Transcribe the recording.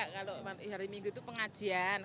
kalau hari minggu itu pengajian